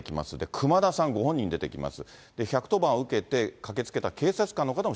熊田さんご本人出てきます。